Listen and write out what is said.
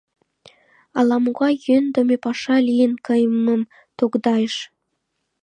Ала-могай йӧндымӧ паша лийын кайымым тогдайыш.